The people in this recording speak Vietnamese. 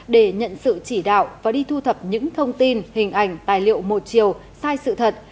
để nhận sự chỉ đạo và đi thu thập những thông tin hình ảnh tài liệu một chiều sai sự thật